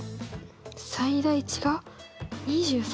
最大値が２３。